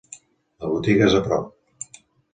La botiga és a prop.